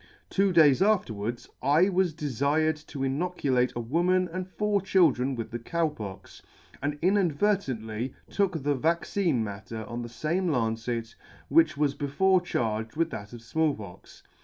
Two days afterwards I was defired to inoculate a woman and four children with the Cow Pox, and I inadvertently took the vaccine matter on the fame lancet which was before charged with that of Small Pox.